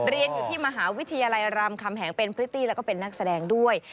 เรียนอยู่ที่มหาวิทยาลัยรามคำแหงเป็นพริตตี้แล้วก็เป็นนักแสดงด้วย